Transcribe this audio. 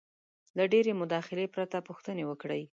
-له ډېرې مداخلې پرته پوښتنې وکړئ: